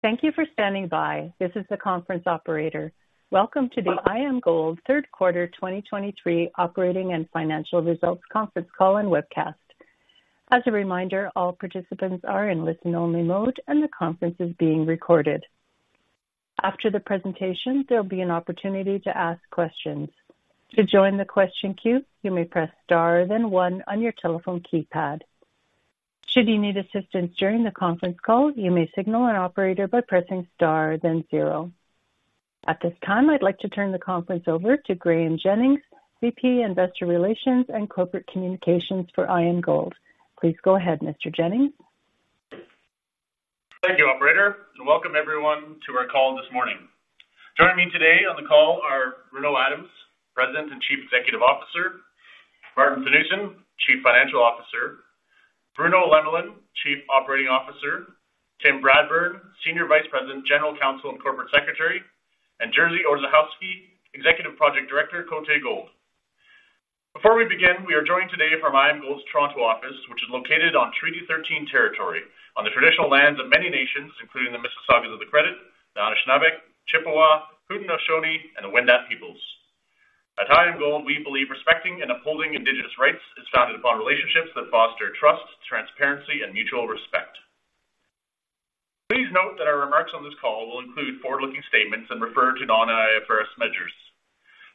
Thank you for standing by. This is the conference operator. Welcome to the IAMGOLD Third Quarter 2023 Operating and Financial Results Conference Call and Webcast. As a reminder, all participants are in listen-only mode, and the conference is being recorded. After the presentation, there will be an opportunity to ask questions. To join the question queue, you may press star, then one on your telephone keypad. Should you need assistance during the conference call, you may signal an operator by pressing star, then zero. At this time, I'd like to turn the conference over to Graeme Jennings, VP, Investor Relations and Corporate Communications for IAMGOLD. Please go ahead, Mr. Jennings. Thank you, operator, and welcome everyone to our call this morning. Joining me today on the call are Renaud Adams, President and Chief Executive Officer, Maarten Theunissen, Chief Financial Officer, Bruno Lemelin, Chief Operating Officer, Tim Bradburn, Senior Vice President, General Counsel, and Corporate Secretary, and Jerzy Orzechowski, Executive Project Director, Côté Gold. Before we begin, we are joined today from IAMGOLD's Toronto office, which is located on Treaty Thirteen territory, on the traditional lands of many nations, including the Mississaugas of the Credit, the Anishinaabe, Chippewa, Haudenosaunee, and the Wendat peoples. At IAMGOLD, we believe respecting and upholding indigenous rights is founded upon relationships that foster trust, transparency, and mutual respect. Please note that our remarks on this call will include forward-looking statements and refer to non-IFRS measures.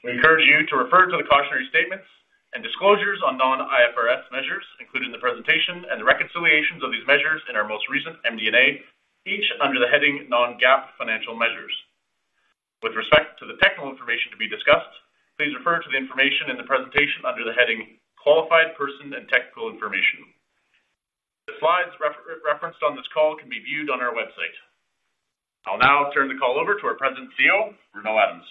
We encourage you to refer to the cautionary statements and disclosures on non-IFRS measures, including the presentation and the reconciliations of these measures in our most recent MD&A, each under the heading Non-GAAP Financial Measures. With respect to the technical information to be discussed, please refer to the information in the presentation under the heading Qualified Person and Technical Information. The slides referenced on this call can be viewed on our website. I'll now turn the call over to our President and CEO, Renaud Adams.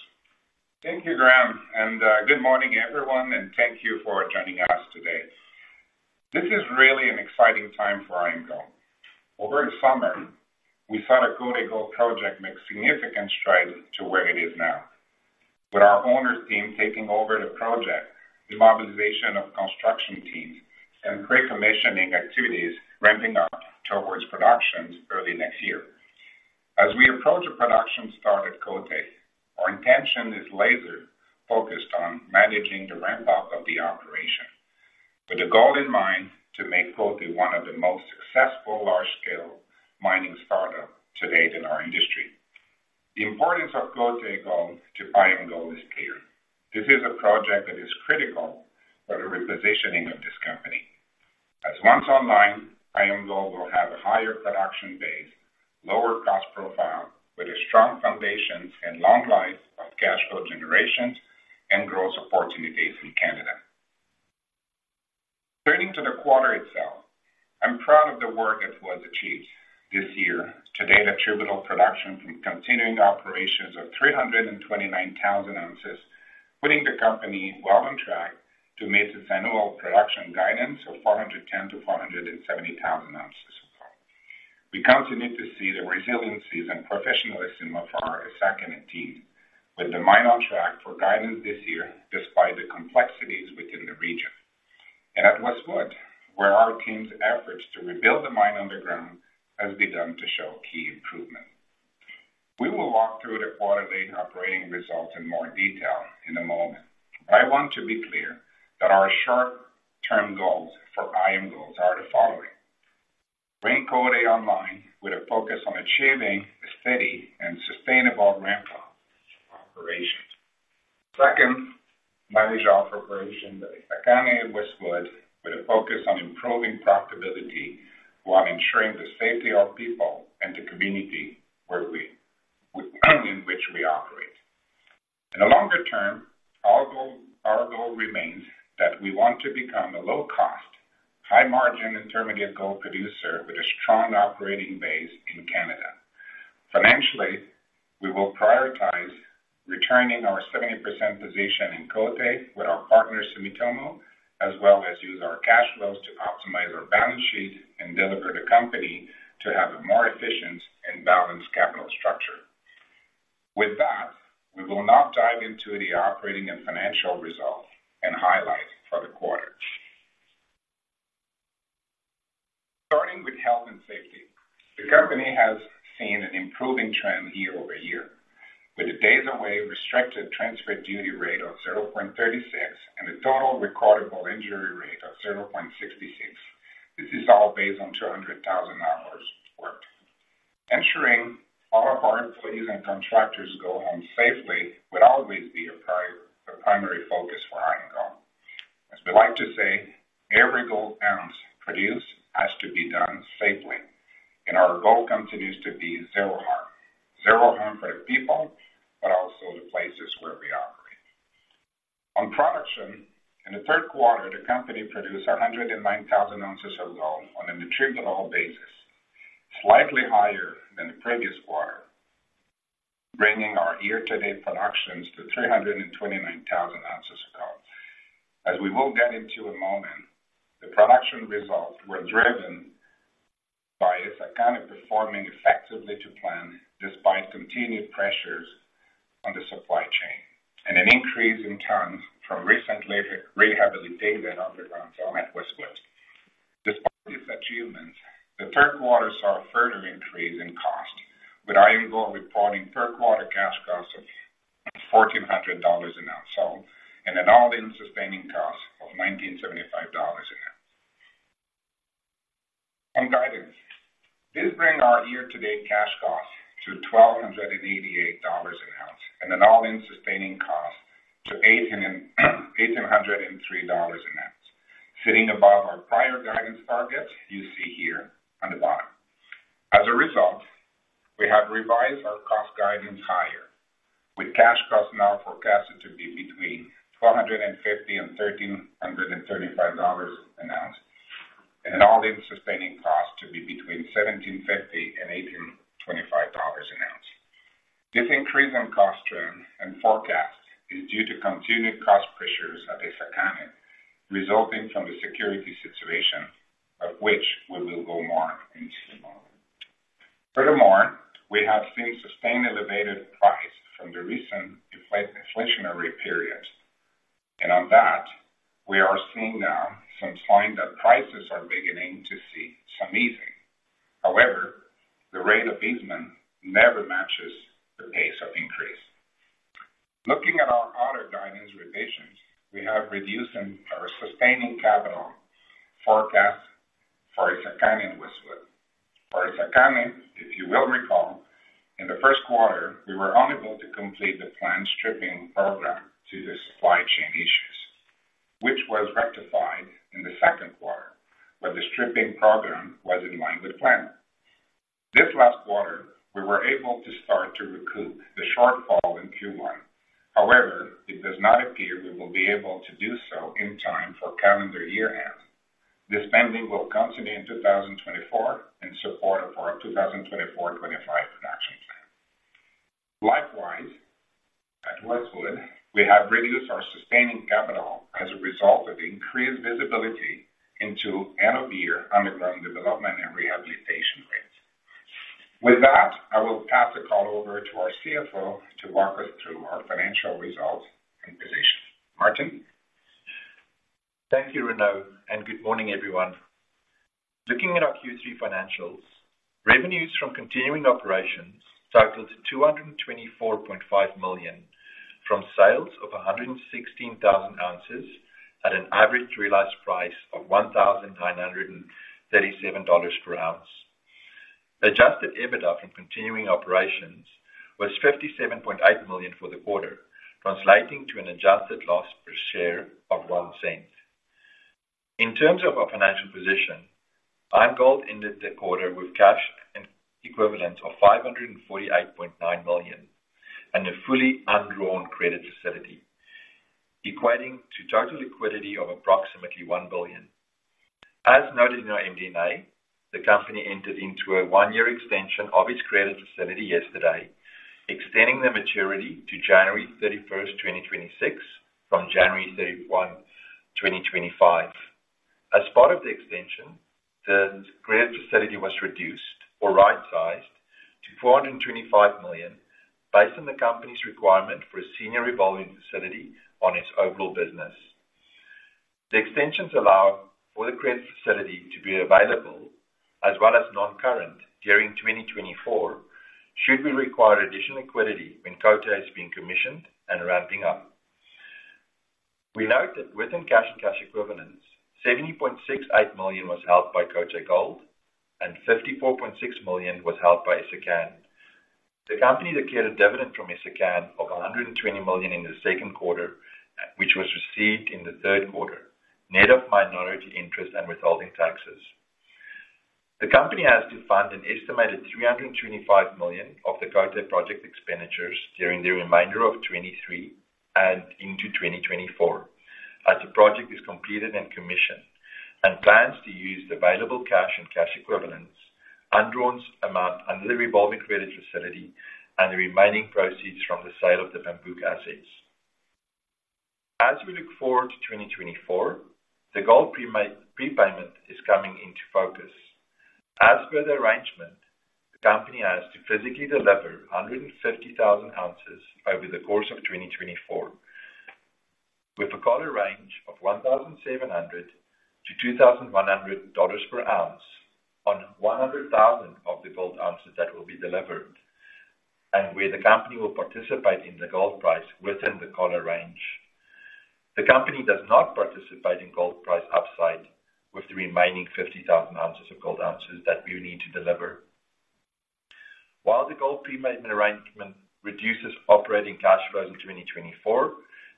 Thank you, Graeme, and good morning, everyone, and thank you for joining us today. This is really an exciting time for IAMGOLD. Over the summer, we saw the Côté Gold project make significant strides to where it is now, with our owner's team taking over the project, the mobilization of construction teams, and pre-commissioning activities ramping up towards production early next year. As we approach the production start at Côté, our intention is laser-focused on managing the ramp-up of the operation, with the goal in mind to make Côté one of the most successful large-scale mining startup to date in our industry. The importance of Côté Gold to IAMGOLD is clear. This is a project that is critical for the repositioning of this company. As Côté online, IAMGOLD will have a higher production base, lower cost profile, with a strong foundation and long life of cash flow generations and growth opportunities in Canada. Turning to the quarter itself, I'm proud of the work that was achieved this year. To date, the total production from continuing operations of 329,000 ounces, putting the company well on track to meet its annual production guidance of 410,000-470,000 ounces of gold. We continue to see the resilience and professionalism of our Essakane team, with the mine on track for guidance this year, despite the complexities within the region. At Westwood, where our team's efforts to rebuild the mine underground has begun to show key improvement. We will walk through the quarterly operating results in more detail in a moment. I want to be clear that our short-term goals for IAMGOLD are the following: bring Côté online with a focus on achieving a steady and sustainable ramp-up operations. Second, manage our operation at Essakane and Westwood with a focus on improving profitability while ensuring the safety of people and the community where we, in which we operate. In the longer-term, our goal, our goal remains that we want to become a low-cost, high-margin intermediate gold producer with a strong operating base in Canada. Financially, we will prioritize returning our 70% position in Côté with our partner, Sumitomo, as well as use our cash flows to optimize our balance sheet and deliver the company to have a more efficient and balanced capital structure. With that, we will now dive into the operating and financial results and highlights for the quarter. Starting with health and safety, the company has seen an improving trend year-over-year, with a days away restricted transfer duty rate of 0.36 and a total recordable injury rate of 0.66. This is all based on 200,000 hours worked. Ensuring all our employees and contractors go home safely would always be a primary focus for IAMGOLD. As we like to say, every gold ounce produced has to be done safely, and our goal continues to be zero harm. Zero harm for the people, but also the places where we operate. On production, in the third quarter, the company produced 109,000 ounces of gold on an attributable basis, slightly higher than the previous quarter, bringing our year-to-date productions to 329,000 ounces of gold. As we will get into in a moment, the production results were driven by Essakane performing effectively to plan, despite continued pressures on the supply chain, and an increase in tons from recently rehabilitated underground zone at Westwood. Despite these achievements, the third quarter saw a further increase in cost, with IAMGOLD reporting third quarter cash cost of $1,400 an ounce sold, and an all-in sustaining cost of $1,975 an ounce. On guidance, this bring our year-to-date cash cost to $1,288 an ounce, and an all-in sustaining cost to $1,803 an ounce, sitting above our prior guidance targets you see here on the bottom. As a result, we have revised our cost guidance higher, with cash cost now forecasted to be between $1,250 and $1,335 an ounce, and an all-in sustaining cost to be between $1,750 and $1,825 an ounce. This increase in cost term and forecast is due to continued cost pressures at Essakane, resulting from the security situation, of which we will go more into detail. Furthermore, we have seen sustained elevated price from the recent inflationary period, and on that, we are seeing now some sign that prices are beginning to see some easing. However, the rate of easement never matches the pace of increase. Looking at our other guidance revisions, we have reduced in our sustaining capital forecast for Essakane and Westwood. For Essakane, if you will recall, in the first quarter, we were unable to complete the planned stripping program due to supply chain issues, which was rectified in the second quarter, where the stripping program was in line with plan. This last quarter, we were able to start to recoup the shortfall in Q1. However, it does not appear we will be able to do so in time for calendar year-end. This spending will continue in 2024, in support of our 2024-2025 production plan. Likewise, at Westwood, we have reduced our sustaining capital as a result of increased visibility into end-of-year underground development and rehabilitation rates. With that, I will pass the call over to our CFO to walk us through our financial results and position. Maarten? Thank you, Renaud, and good morning, everyone. Looking at our Q3 financials, revenues from continuing operations totaled $224.5 million, from sales of 116,000 ounces at an average realized price of $1,937 per ounce. Adjusted EBITDA from continuing operations was $57.8 million for the quarter, translating to an adjusted loss per share of $0.01. In terms of our financial position, IAMGOLD ended the quarter with cash and equivalents of $548.9 million, and a fully undrawn credit facility, equating to total liquidity of approximately $1 billion. As noted in our MD&A, the company entered into a one-year extension of its credit facility yesterday, extending the maturity to January 31, 2026, from January 31, 2025. As part of the extension, the credit facility was reduced or right-sized to $425 million, based on the company's requirement for a senior revolving facility on its overall business. The extensions allow for the credit facility to be available, as well as non-current during 2024, should we require additional liquidity when Côté has been commissioned and ramping up. We note that within cash and cash equivalents, $70.68 million was held by Côté Gold, and $54.6 million was held by Essakane. The company declared a dividend from Essakane of $120 million in the second quarter, which was received in the third quarter, net of minority interest and withholding taxes. The company has to fund an estimated $325 million of the Côté project expenditures during the remainder of 2023 and into 2024, as the project is completed and commissioned, and plans to use the available cash and cash equivalents, undrawn amount under the revolving credit facility, and the remaining proceeds from the sale of the Bambouk assets. As we look forward to 2024, the gold prepayment is coming into focus. As per the arrangement, the company has to physically deliver 150,000 ounces over the course of 2024, with a collar range of $1,700-$2,100 per ounce on 100,000 of the gold ounces that will be delivered, and where the company will participate in the gold price within the collar range. The company does not participate in gold price upside with the remaining 50,000 ounces of gold ounces that we need to deliver. While the gold prepayment arrangement reduces operating cash flow in 2024,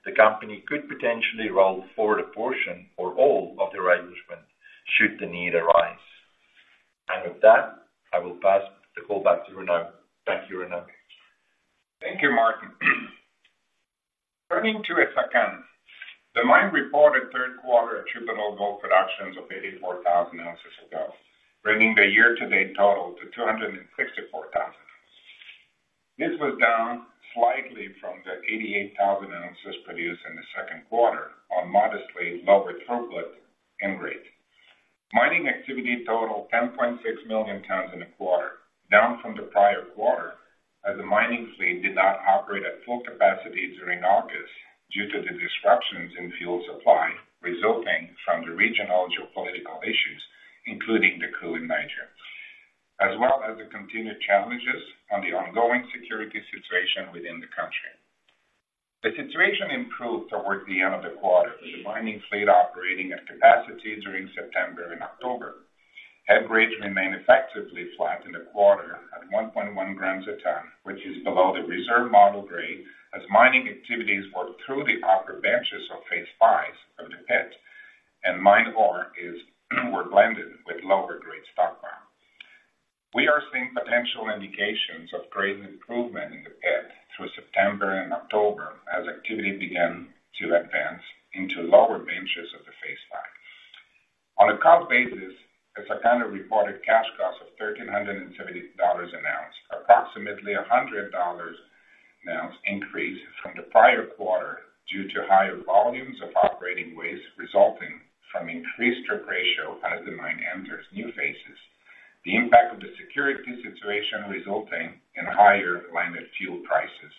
the company could potentially roll forward a portion or all of the arrangement should the need arise. With that, I will pass the call back to Renaud. Thank you, Renaud. Thank you, Maarten. Turning to Essakane, the mine reported third quarter attributable gold production of 84,000 ounces of gold, bringing the year-to-date total to 264,000. This was down slightly from the 88,000 ounces produced in the second quarter on modestly lower throughput and grade. Mining activity totaled 10.6 million tons in the quarter, down from the prior quarter as the mining fleet did not operate at full capacity during August due to the disruptions in fuel supply resulting from the regional geopolitical issues, including the coup in Niger, as well as the continued challenges on the ongoing security situation within the country. The situation improved towards the end of the quarter, with the mining fleet operating at capacity during September and October. Head grades remained effectively flat in the quarter at 1.1 g/t, which is below the reserve model grade, as mining activities worked through the upper benches of Phase V of the pit, and mined ore were blended with lower grade stock ground. We are seeing potential indications of grade improvement in the pit through September and October, as activity began to advance into lower benches of the Phase V. On a cost basis, Essakane reported cash cost of $1,370 an ounce, approximately $100 an ounce increase from the prior quarter due to higher volumes of operating waste, resulting from increased strip ratio as the mine enters new phases. The impact of the security situation resulting in higher landed fuel prices,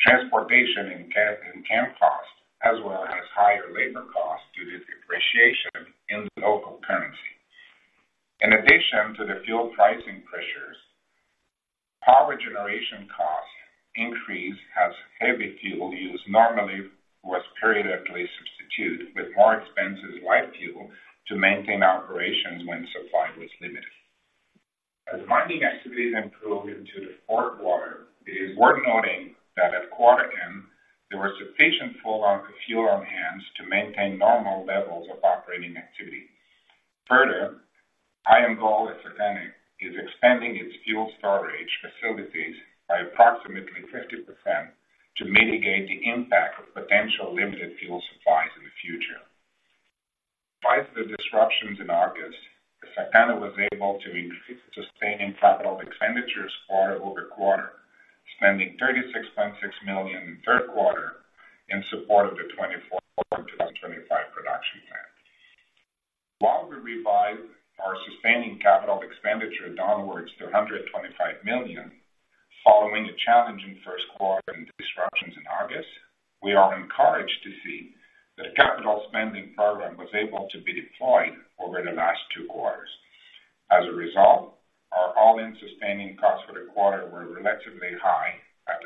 transportation and camp costs, as well as higher labor costs due to depreciation in the local currency. In addition to the fuel pricing pressures, power generation costs increased, as heavy fuel use normally was periodically substituted with more expensive light fuel to maintain operations when supply was limited. As mining activities improved into the fourth quarter, it is worth noting that at quarter end, there was sufficient full amount of fuel on hand to maintain normal levels of operating activity. Further, IAMGOLD at Essakane is expanding its fuel storage facilities by approximately 50% to mitigate the impact of potential limited fuel supplies in the future. Despite the disruptions in August, Essakane was able to increase sustaining capital expenditures quarter-over-quarter, spending $36.6 million in the third quarter in support of the 2024-2025 production plan. While we revised our sustaining capital expenditure downwards to $125 million, following the challenging first quarter and disruptions in August, we are encouraged to see that a capital spending program was able to be deployed over the last two quarters. As a result, our all-in sustaining costs for the quarter were relatively high at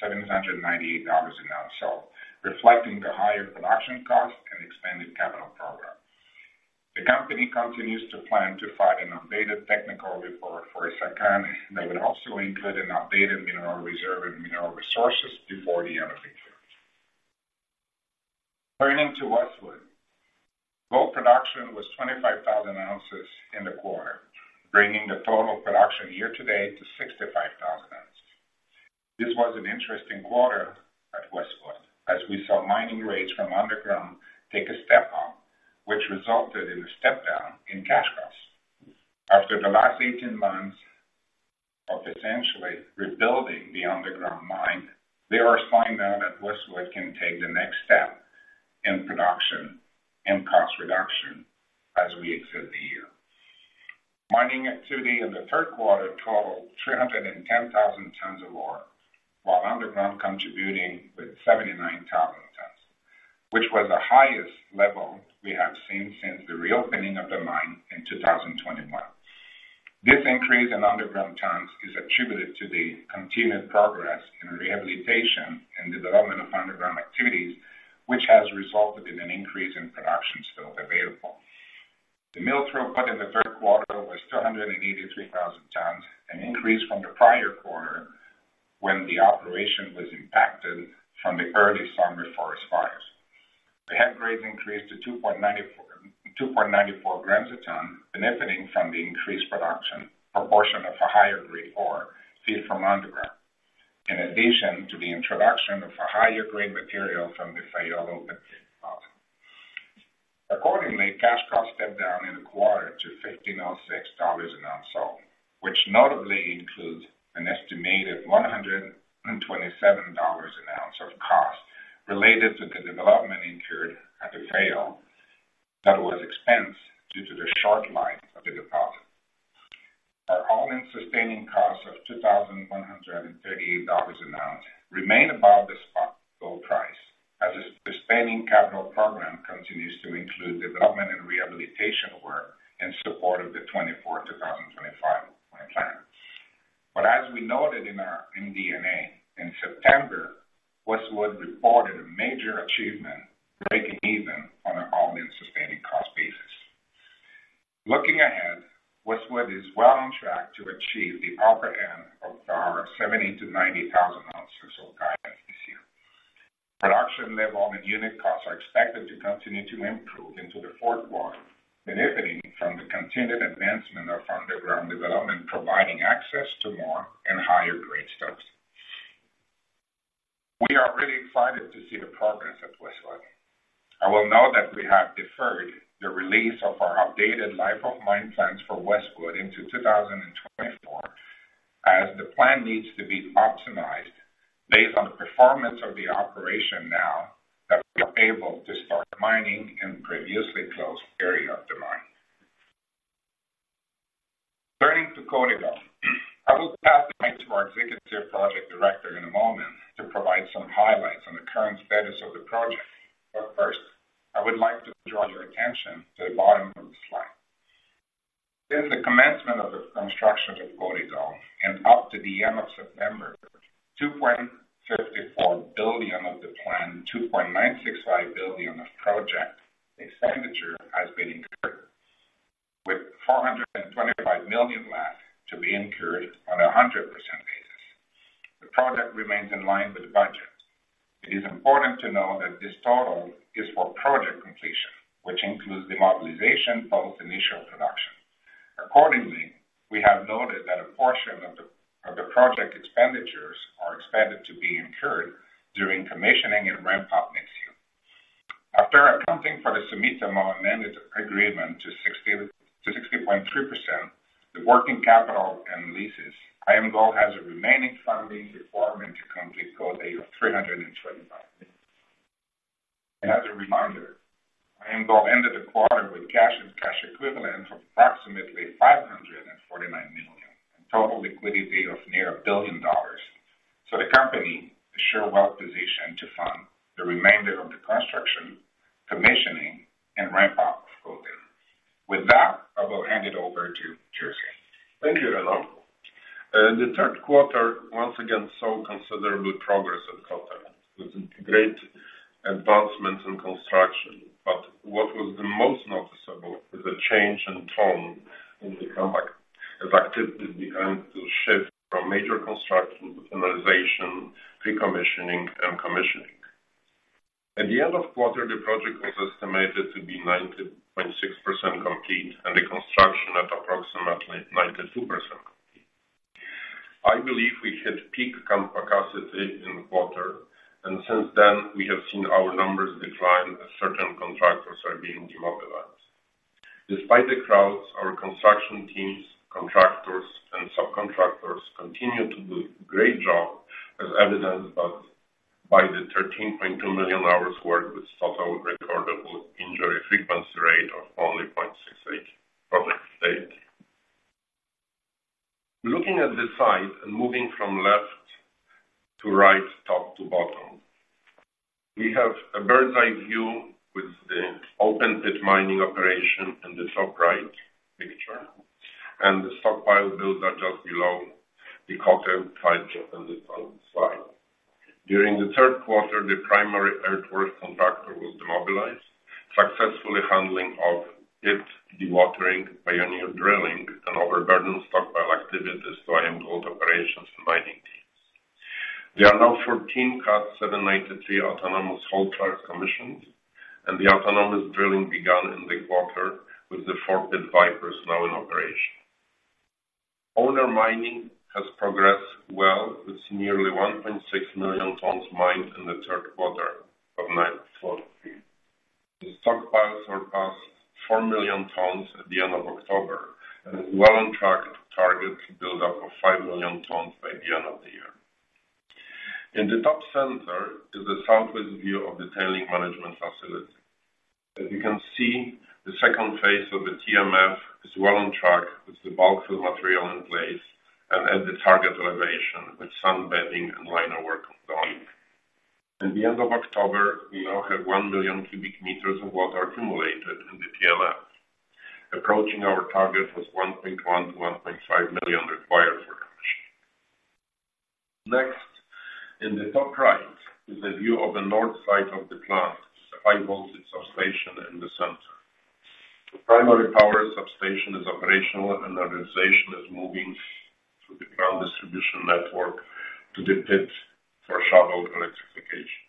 $797.98/oz, sold reflecting the higher production costs and expanded capital program. The company continues to plan to file an updated technical report for Essakane that will also include an updated mineral reserve and mineral resources before the end of the year. Turning to Westwood. Gold production was 25,000 ounces in the quarter, bringing the total production year to date to 65,000 ounces. This was an interesting quarter at Westwood, as we saw mining rates from underground take a step up, which resulted in a step down in cash costs. After the last 18 months of essentially rebuilding the underground mine, they are seeing now that Westwood can take the next step in production and cost reduction as we exit the year. Mining activity in the third quarter totaled 310,000 tons of ore, while underground contributing with 79,000 tons, which was the highest level we have seen since the reopening of the mine in 2021. This increase in underground t is attributed to the continued progress in rehabilitation and development of underground activities, which has resulted in an increase in production still available. The mill throughput in the third quarter was 283,000 tons, an increase from the prior quarter when the operation was impacted from the early summer forest fires. The head grade increased to 2.94, 2.94 g/ton, benefiting from the increased production proportion of a higher grade ore feed from underground, in addition to the introduction of a higher grade material from the Fayolle open pit. Accordingly, cash costs stepped down in the quarter to $15.6 an ounce, so which notably includes an estimated $127 an ounce of cost related to the development incurred at the Fayolle, that was expensed due to the short life of the deposit. Our all-in sustaining costs of $2,138 an ounce remain above the spot gold price, as the sustaining capital program continues to include development and rehabilitation work in support of the 2024-2025 mine plan. But as we noted in our MD&A in September, Westwood reported a major achievement, breaking even on an all-in sustaining cost basis. Looking ahead, Westwood is well on track to achieve the upper end of our 70,000-90,000 ounces of guidance this year. Production level and unit costs are expected to continue to improve into the fourth quarter, benefiting from the continued advancement of underground development, providing access to more and higher grade stocks. We are really excited to see the progress at Westwood. I will note that we have deferred the release of our updated life of mine plans for Westwood into 2024, as the plan needs to be optimized based on the performance of the operation now that we are able to start mining in previously closed area of the mine. Turning to Côté Gold. I will pass the mic to our Executive Project Director in a moment to provide some highlights on the current status of the project. But first, I would like to draw your attention to the bottom of the slide. Since the commencement of the construction of Côté Gold and up to the end of September, $2.54 billion of the planned $2.965 billion of project expenditure has been incurred, with $425 million left to be incurred on a 100% basis. The project remains in line with the budget. It is important to know that this total is for project completion, which includes the mobilization of initial production. Accordingly, we have noted that a portion of the project expenditures are expected to be incurred during commissioning and ramp-up next year. After accounting for the Sumitomo amended agreement to 61.3%, the working capital and leases, IAMGOLD has a remaining funding requirement to complete Côté Gold of $325 million. As a reminder, IAMGOLD ended the quarter with cash and cash equivalents of approximately $549 million, and total liquidity of nearly $1 billion. The company is sure well positioned to fund the remainder of the construction, commissioning, and ramp-up of Côté Gold. With that, I will hand it over to Jerzy. Thank you, Renaud. The third quarter once again saw considerable progress at Côté, with great advancements in construction. But what was the most noticeable was a change in tone in the camp, as activities began to shift from major construction to finalization, pre-commissioning, and commissioning. At the end of quarter, the project was estimated to be 90.6% complete, and the construction at approximately 92% complete. I believe we hit peak camp capacity in the quarter, and since then, we have seen our numbers decline as certain contractors are being demobilized. Despite the crowds, our construction teams, contractors, and subcontractors continue to do a great job, as evidenced by the 13.2 million hours worked with total recordable injury frequency rate of only 0.68 project to date. Looking at the site and moving from left to right, top to bottom, we have a bird's-eye view with the open pit mining operation in the top right picture, and the stockpile builder just below the Côté pit on the top slide. During the third quarter, the primary earthwork contractor was demobilized, successfully handling of its dewatering, pioneer drilling, and overburden stockpile activities to IAMGOLD operations and mining teams. There are now 14 Cat 793 autonomous haul trucks commissioned, and the autonomous drilling began in the quarter with the 4 Pit Vipers now in operation. Owner mining has progressed well, with nearly 1.6 million tons mined in the third quarter of 2024. The stockpiles surpassed 4 million tons at the end of October and is well on track to target build up of 5 million tons by the end of the year. In the top center is a southwest view of the tailings management facility. As you can see, the second phase of the TMF is well on track, with the bulk fill material in place and at the target elevation, with some bedding and liner work going. At the end of October, we now have 1 billion cu m of water accumulated in the TMF, approaching our target of 1.1-1.5 million required for commissioning. Next, in the top right is a view of the north side of the plant, the high-voltage substation in the center. The primary power substation is operational, and energization is moving through the ground distribution network to the pit for shovel electrification.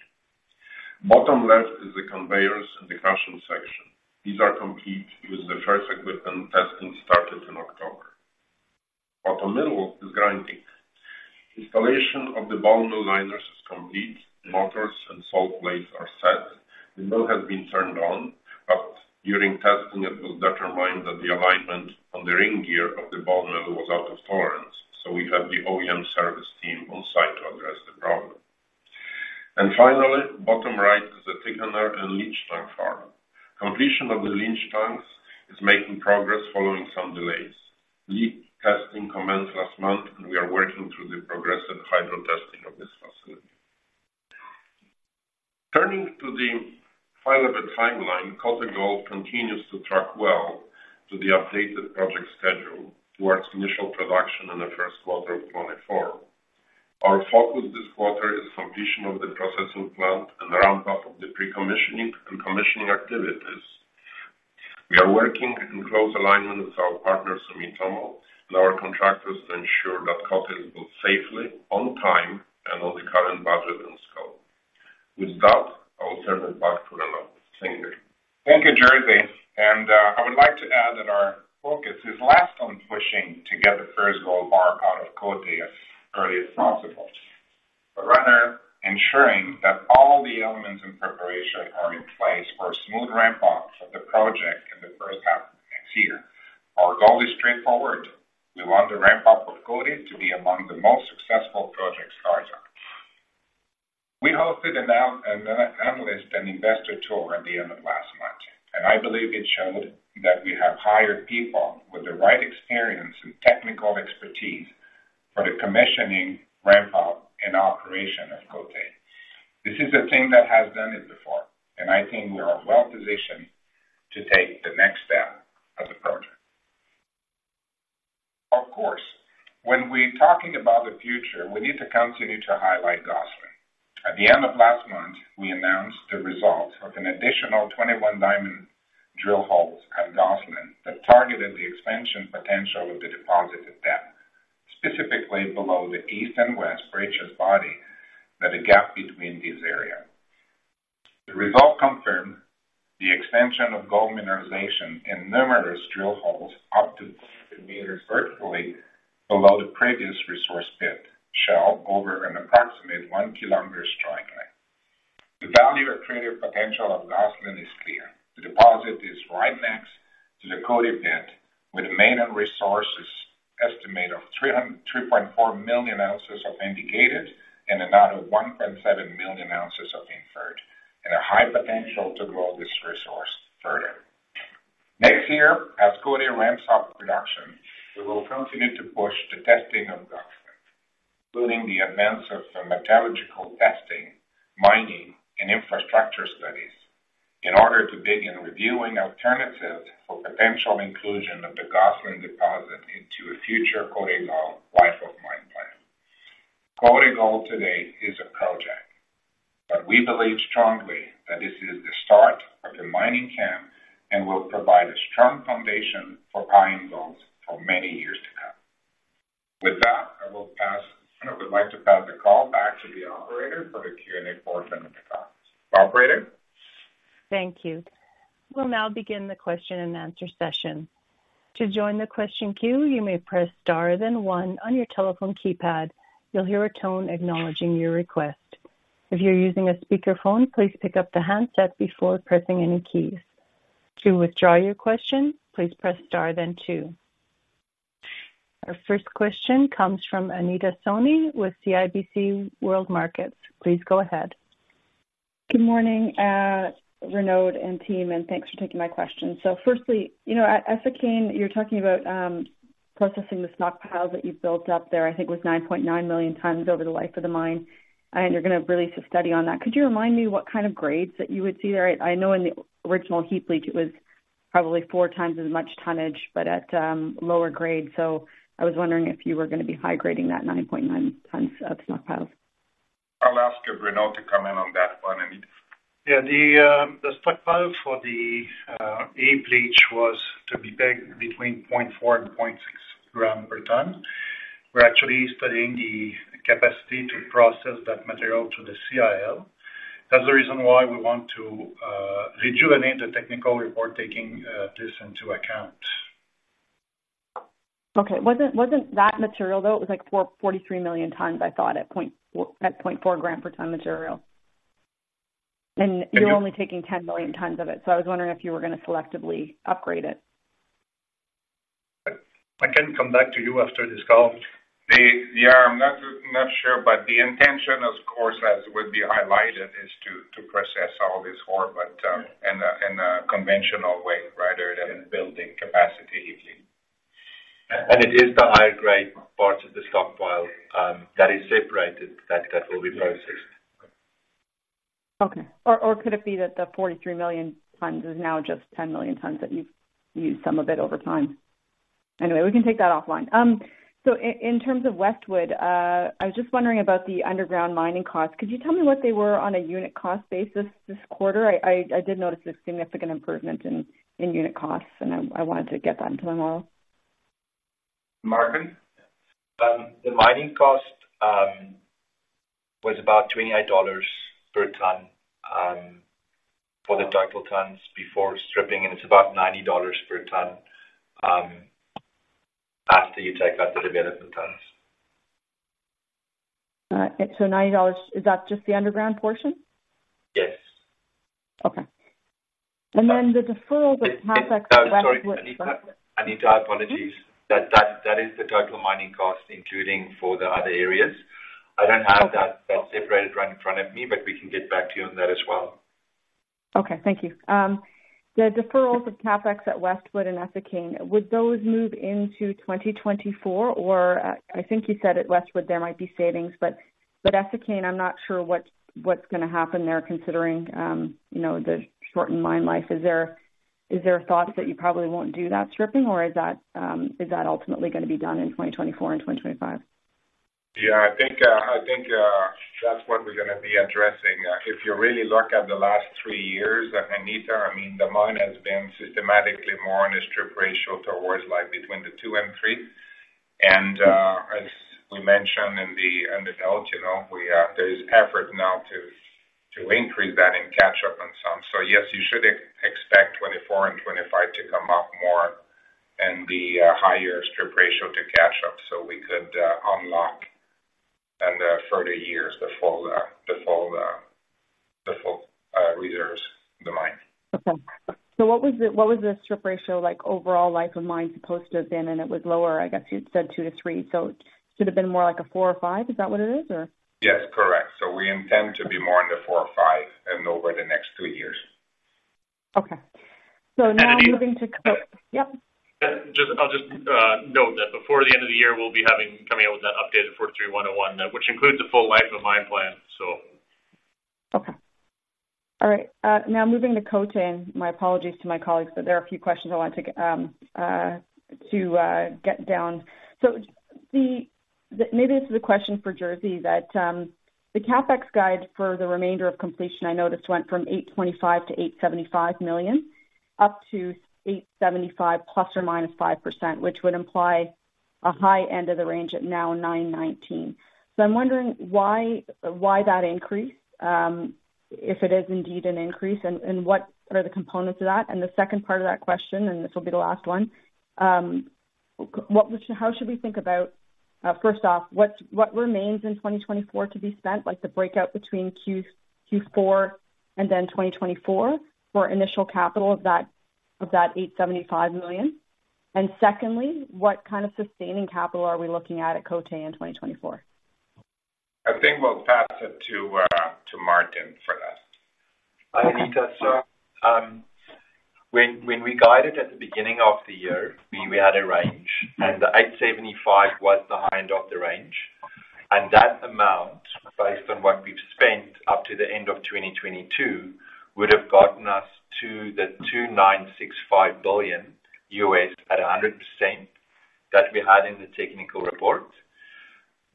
Bottom left is the conveyors and the crushing section. These are complete, with the first equipment testing started in October. But the middle is grinding. Installation of the ball mill liners is complete, motors and sole plates are set. The mill has been turned on, but during testing, it was determined that the alignment on the ring gear of the ball mill was out of tolerance, so we have the OEM service team on site to address the problem. And finally, bottom right is the thickener and leach tank farm. Completion of the leach tanks is making progress following some delays. Leak testing commenced last month, and we are working through the progressive hydrotesting of this facility. Turning to the final of the timeline, Côté Gold continues to track well to the updated project schedule towards initial production in the first quarter of 2024. Our focus this quarter is completion of the processing plant and the ramp-up of the pre-commissioning and commissioning activities. We are working in close alignment with our partner, Sumitomo, and our contractors to ensure that Côté is built safely, on time, and on the current budget and scope. With that, I will turn it back to Renaud. Thank you. Thank you, Jerzy. I would like to add that our focus is less on pushing to get the first gold bar out of Côté as early as possible, but rather ensuring that all the elements and preparation are in place for a smooth ramp-up of the project in the first half of next year. Our goal is straightforward: We want the ramp-up of Côté to be among the most successful project start-ups. We hosted an analyst and investor tour at the end of last month, and I believe it showed that we have hired people with the right experience and technical expertise for the commissioning, ramp-up, and operation of Côté. This is a team that has done it before, and I think we are well positioned to take the next step of the project. Of course, when we're talking about the future, we need to continue to highlight Gosselin. At the end of last month, we announced the results of an additional 21 diamond drill holes at Gosselin that targeted the expansion potential of the deposit at depth, specifically below the east and west breccia body that a gap between these areas. The result confirmed the extension of gold mineralization in numerous drill holes up to 20 m vertically below the previous resource pit shell over an approximate 1 km strike length. The value of creative potential of Gosselin is clear. The deposit is right next to the Côté pit, with a minimum resources estimate of 3.4 million ounces of indicated and another 1.7 million ounces of inferred, and a high potential to grow this resource further. Next year, as Côté ramps up production, we will continue to push the testing of Gosselin, including the advance of the metallurgical testing, mining and infrastructure studies, in order to begin reviewing alternatives for potential inclusion of the Gosselin deposit into a future Côté Gold life of mine plan. Côté Gold today is a project, but we believe strongly that this is the start of the mining camp and will provide a strong foundation for mining gold for many years to come. With that, I will pass, and I would like to pass the call back to the operator for the Q&A portion of the call. Operator? Thank you. We'll now begin the question and answer session. To join the question queue, you may press star then one on your telephone keypad. You'll hear a tone acknowledging your request. If you're using a speakerphone, please pick up the handset before pressing any keys. To withdraw your question, please press star then two. Our first question comes from Anita Soni with CIBC World Markets. Please go ahead. Good morning, Renaud and team, and thanks for taking my question. So firstly, you know, at Essakane, you're talking about processing the stockpiles that you've built up there. I think it was 9.9 million tons over the life of the mine, and you're going to release a study on that. Could you remind me what kind of grades that you would see there? I know in the original heap leach, it was probably four times as much tonnage, but at lower grade. So I was wondering if you were going to be high grading that 9.9 tons of stockpiles. I'll ask Renaud to comment on that one, Anita. Yeah, the stockpile for the heap leach was to be between 0.4 and 0.6 g/ton. We're actually studying the capacity to process that material to the CIL. That's the reason why we want to rejuvenate the technical report, taking this into account. Okay. Wasn't that material, though, it was like 443 million tons, I thought, at 0.4 g/ton material. And you're only taking 10 million tons of it, so I was wondering if you were going to selectively upgrade it. I can come back to you after this call. Yeah, I'm not sure, but the intention, of course, as would be highlighted, is to process all this ore, but in a conventional way rather than building capacity. It is the high-grade parts of the stockpile that is separated, that, that will be processed. Okay. Or could it be that the 43 million tons is now just 10 million t, that you've used some of it over time? Anyway, we can take that offline. So in terms of Westwood, I was just wondering about the underground mining costs. Could you tell me what they were on a unit cost basis this quarter? I did notice a significant improvement in unit costs, and I wanted to get that into the model. Maarten? The mining cost was about $28 per ton for the total t before stripping, and it's about $90 per ton after you take out the development t. $90, is that just the underground portion? Yes. Okay. And then the deferral of CapEx- Sorry, Anita. Anita, apologies. Mm-hmm. That is the total mining cost, including for the other areas. Okay. I don't have that, that separated right in front of me, but we can get back to you on that as well. Okay. Thank you. The deferrals of CapEx at Westwood and Essakane, would those move into 2024? Or, I think you said at Westwood there might be savings, but, but Essakane, I'm not sure what's, what's going to happen there, considering, you know, the shortened mine life. Is there, is there a thought that you probably won't do that stripping, or is that, is that ultimately going to be done in 2024 and 2025? Yeah, I think, I think, that's what we're going to be addressing. If you really look at the last three years, Anita, I mean, the mine has been systematically more on a strip ratio towards like between 2 and 3. And, as we mentioned in the earnings call, you know, there is effort now to increase that and catch up on some. So yes, you should expect 2024 and 2025 to come up more and the higher strip ratio to catch up so we could unlock in the further years the full resource.... Okay. So what was the, what was the strip ratio like overall life of mine supposed to have been, and it was lower? I guess you said 2-3, so should have been more like a 4 or 5. Is that what it is, or? Yes, correct. So we intend to be more in the 4 or 5 and over the next 2 years. Okay. Now moving to- And Anita- Yep. I'll just note that before the end of the year, we'll be coming out with that updated 43-101, which includes the full life of mine plan, so. Okay. All right, now moving to Côté, my apologies to my colleagues, but there are a few questions I want to get down. So, maybe this is a question for Jerzy that the CapEx guide for the remainder of completion, I noticed, went from $825 million-$875 million, up to $875 million ±5%, which would imply a high end of the range at now $919 million. So I'm wondering why, why that increase, if it is indeed an increase, and what are the components of that? The second part of that question, and this will be the last one, what would, how should we think about, first off, what remains in 2024 to be spent, like the breakdown between Q4 and then 2024 for initial capital of that $875 million? And secondly, what kind of sustaining capital are we looking at at Côté Gold in 2024? I think we'll pass it to, to Maarten for that. Hi, Anita. So, when we guided at the beginning of the year, we had a range, and the $875 million was the high end of the range. And that amount, based on what we've spent up to the end of 2022, would have gotten us to the $2.965 billion at 100% that we had in the technical report.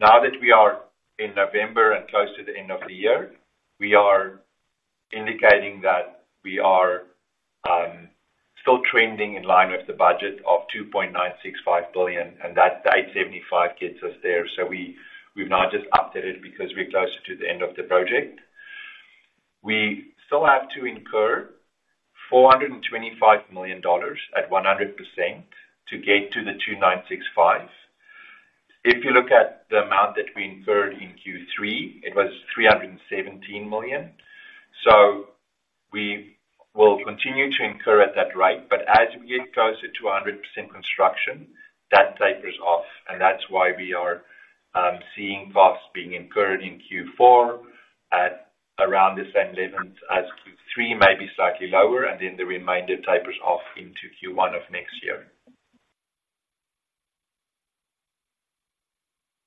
Now that we are in November and close to the end of the year, we are indicating that we are still trending in line with the budget of $2.965 billion, and that the $875 million gets us there. So we've now just updated it because we're closer to the end of the project. We still have to incur $425 million at 100% to get to the $2.965 billion. If you look at the amount that we incurred in Q3, it was $317 million. So we will continue to incur at that rate. But as we get closer to 100% construction, that tapers off, and that's why we are seeing costs being incurred in Q4 at around the same levels as Q3, maybe slightly lower, and then the remainder tapers off into Q1 of next year.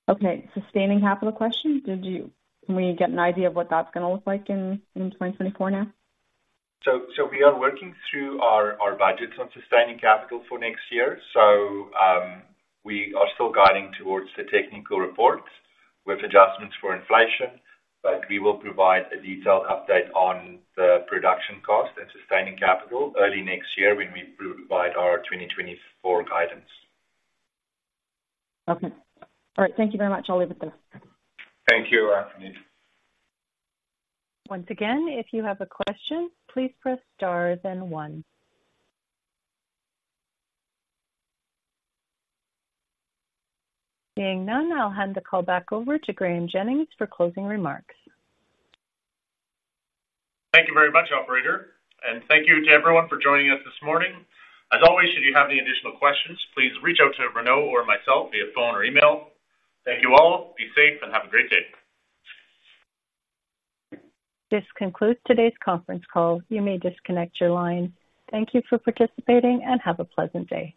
Okay. Sustaining capital question, can we get an idea of what that's gonna look like in 2024 now? We are working through our budgets on sustaining capital for next year. We are still guiding towards the technical reports with adjustments for inflation, but we will provide a detailed update on the production cost and sustaining capital early next year when we provide our 2024 guidance. Okay. All right. Thank you very much. I'll leave it there. Thank you, Anita. Once again, if you have a question, please press star then one. Being none, I'll hand the call back over to Graeme Jennings for closing remarks. Thank you very much, operator, and thank you to everyone for joining us this morning. As always, if you have any additional questions, please reach out to Renaud or myself via phone or email. Thank you all. Be safe and have a great day. This concludes today's conference call. You may disconnect your line. Thank you for participating and have a pleasant day.